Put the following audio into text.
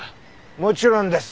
もちろんです。